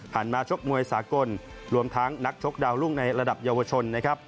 ผ่านมาชกมวยสากลรวมทั้งนักชกดาวน์รุ่งในระดับเยาวชน